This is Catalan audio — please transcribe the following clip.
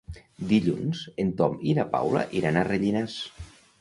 Dilluns en Tom i na Paula iran a Rellinars.